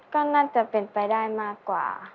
ก็น่าจะเป็นไปได้มากกว่า